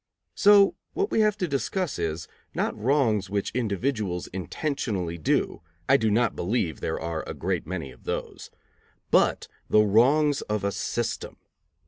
So what we have to discuss is, not wrongs which individuals intentionally do, I do not believe there are a great many of those, but the wrongs of a system.